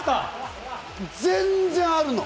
全然あるの！